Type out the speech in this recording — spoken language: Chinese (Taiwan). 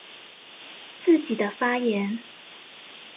自己的發言